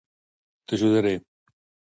T"ajudaré.